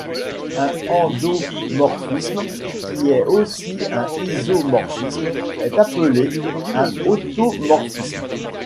Un endomorphisme qui est aussi un isomorphisme est appelé un automorphisme.